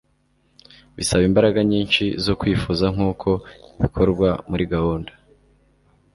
bisaba imbaraga nyinshi zo kwifuza nkuko bikorwa muri gahunda